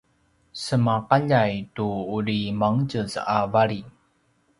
sema’aljay tu uri mangtjez a vali